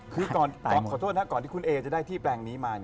คือขอโทษนะที่คุณเอ๋จะได้ที่แปลงนี้มา